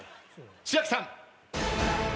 千秋さん。